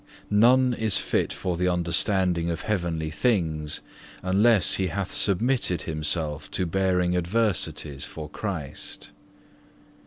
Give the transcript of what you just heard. None is fit for the understanding of heavenly things, unless he hath submitted himself to bearing adversities for Christ.